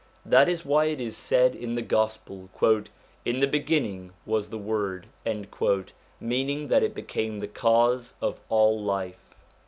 That is why it is said in the Gospel :' In the beginning was the Word '; meaning that it became the cause of all life.